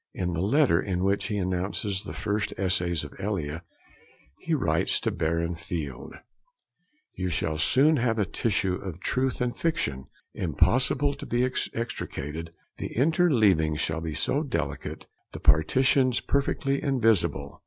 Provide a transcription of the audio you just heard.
In the letter in which he announces the first essays of Elia, he writes to Barron Field: 'You shall soon have a tissue of truth and fiction, impossible to be extricated, the interleavings shall be so delicate, the partitions perfectly invisible.'